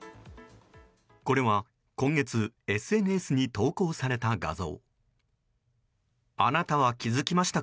これは今月ＳＮＳに投稿された画像。